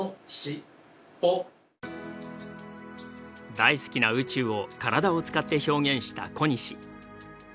大好きな宇宙を体を使って表現した小西。